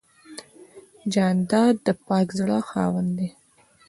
جانداد د پاک زړه خاوند دی.